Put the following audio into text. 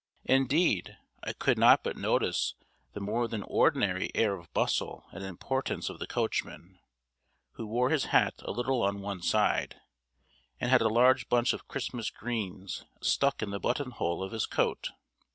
Indeed, I could not but notice the more than ordinary air of bustle and importance of the coachman, who wore his hat a little on one side, and had a large bunch of Christmas greens stuck in the button hole of his coat.